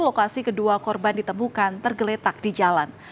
lokasi kedua korban ditemukan tergeletak di jalan